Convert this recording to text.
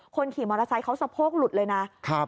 คนขี่มอเตอร์ไซค์เขาสะโพกหลุดเลยนะครับ